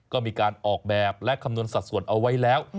ก็มีการออกแบบและคำนวณสัดส่วนเอาไว้แล้ว